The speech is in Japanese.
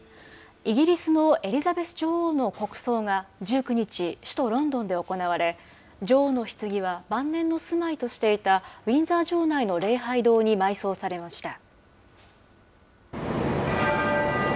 イギリスのエリザベス女王の国葬が１９日、首都ロンドンで行われ女王のひつぎは晩年の住まいとしていたウィンザー城内の礼拝堂に埋葬されました。